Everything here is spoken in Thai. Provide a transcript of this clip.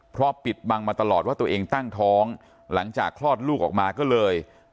เพราะปิดบังมาตลอดว่าตัวเองตั้งท้องหลังจากคลอดลูกออกมาก็เลย